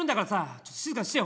ちょっと静かにしてよ。